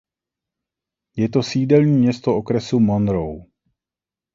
Je to sídelní město okresu Monroe.